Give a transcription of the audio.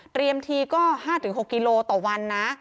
เตรียมทีก็๕๖กิโลต่อวันนะ